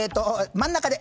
真ん中ね。